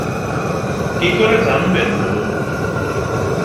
কী করে জানবেন বলুন।